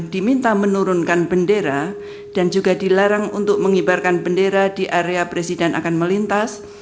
diminta menurunkan bendera dan juga dilarang untuk mengibarkan bendera di area presiden akan melintas